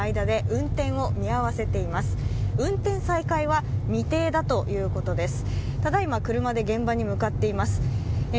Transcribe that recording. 運転再開は未定だということです。